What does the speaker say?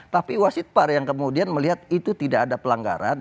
tapi wasit par yang kemudian melihat itu tidak ada pelanggaran